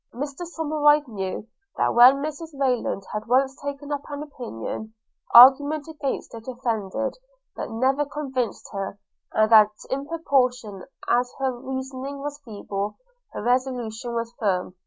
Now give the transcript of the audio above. Mr Somerive knew, that when Mrs Rayland had once taken up an opinion, argument against it offended, but never convinced her; and that in proportion as her reasoning was feeble, her resolution was firm.